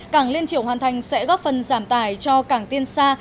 cảng liên triều hoàn thành sẽ góp phần giảm tải cho cảng tiên sa